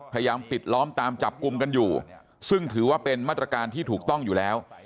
พยายามปิดล้อมตามจับกลุ่มกันอยู่ซึ่งถือว่าเป็นมาตรการที่ถูกต้องอยู่แล้ว